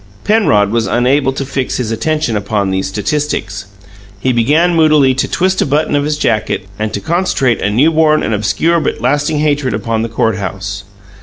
Penrod was unable to fix his attention upon these statistics; he began moodily to twist a button of his jacket and to concentrate a new born and obscure but lasting hatred upon the court house.